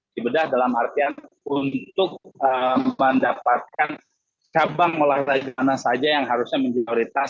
dibedah dalam artian untuk mendapatkan cabang olahraga ke tanah saja yang harusnya menjualitas